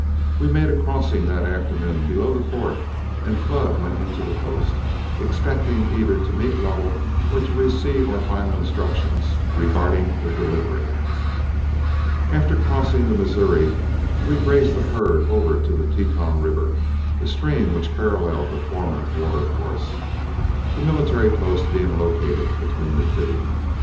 We made a crossing that afternoon below the Fort, and Flood went into the post, expecting either to meet Lovell or to receive our final instructions regarding the delivery. After crossing the Missouri, we grazed the herd over to the Teton River, a stream which paralleled the former watercourse, the military post being located between the two.